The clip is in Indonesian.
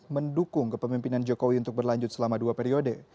mendukung kepemimpinan jokowi untuk berlanjut selama dua periode